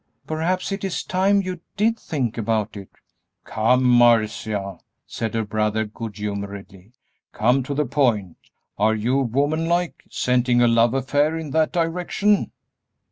"Perhaps it's time you did think about it." "Come, Marcia," said her brother, good humoredly, "come to the point; are you, woman like, scenting a love affair in that direction?"